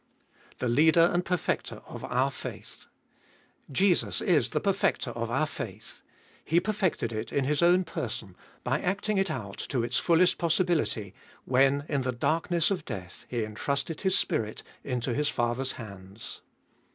The Leader and Perfecter of our faith, Jesus is the Perfecter of our faith. He perfected it in His own person, by acting it out to its fullest possibility, when in the darkness of death He entrusted His Spirit into His Father's hands.